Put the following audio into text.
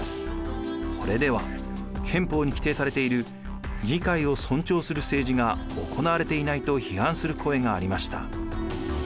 これでは憲法に規定されている「議会を尊重する政治」が行われていないと批判する声がありました。